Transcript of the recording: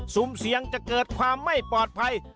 สุ่มเสี่ยงจะเกิดความไม่ปลอดภัย